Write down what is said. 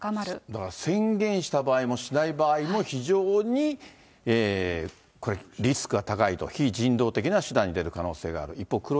だから宣言した場合もしない場合も、非常にこれ、リスクが高いと、非人道的な手段に出る可能性がある。